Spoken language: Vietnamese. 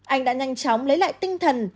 anh đã nhanh chóng lấy lại tinh thần